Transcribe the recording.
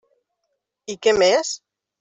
I què més?